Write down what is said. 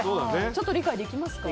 ちょっと理解できますか？